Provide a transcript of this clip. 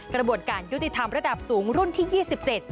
กระบวนการยุติธรรมระดับสูงรุ่นที่๒๗